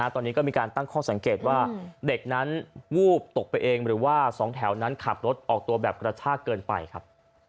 ตอนนี้ก็มีการตั้งข้อสังเกตว่าเด็กนั้นวูบตกไปเองหรือว่าสองแถวนั้นขับรถออกตัวแบบกระชากเกินไปครับ